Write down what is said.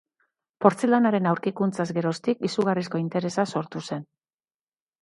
Portzelanaren aurkikuntzaz geroztik izugarrizko interesa sortu zen.